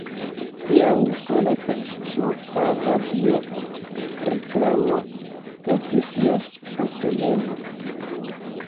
Lia unusola kaj ĉiopova dio, Reklamo, estis ja postulema.